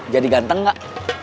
jadi ganteng gak